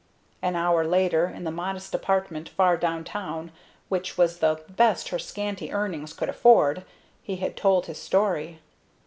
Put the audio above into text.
An hour later, in the modest apartment far downtown, which was the best her scanty earnings could afford, he had told his story.